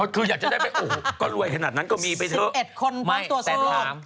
คืออยากจะได้ไปโอ้โหก็รวยขนาดนั้นก็มีไปเถอะ